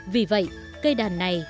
vì vậy cây đàn này